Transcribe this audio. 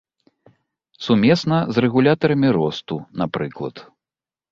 Сумесна з рэгулятарамі росту, напрыклад.